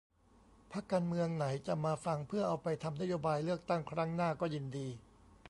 พรรคการเมืองไหนจะมาฟังเพื่อเอาไปทำนโยบายเลือกตั้งครั้งหน้าก็ยินดี